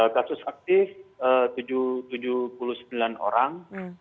kasus aktif tujuh puluh sembilan orang